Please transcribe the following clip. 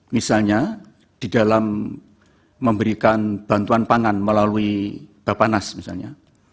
misalnya di dalam memberikan bantuan pangan melalui bapak nas misalnya